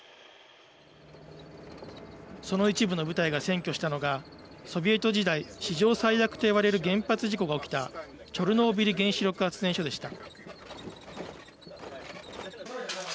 その一部の部隊が占拠したのがソビエト時代、史上最悪といわれる原発事故が起きたチョルノービリ原子力発電所でした。